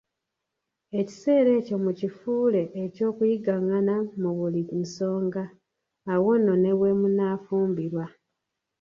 Ekiseera ekyo mukifuule eky'okuyigaŋŋana mu buli nsonga, awo nno ne bwemunaafumbirwa